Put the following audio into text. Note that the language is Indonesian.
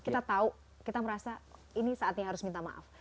kita tahu kita merasa ini saatnya harus minta maaf